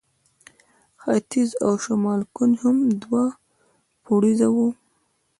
ختیځ او شمال کونج هم دوه پوړیزه وه.